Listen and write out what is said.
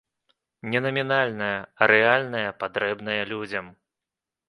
Не намінальная, а рэальная, патрэбная людзям.